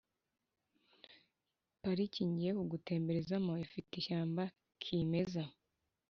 Pariki ngiye kugutemberezamo ifite ishyamba kimeza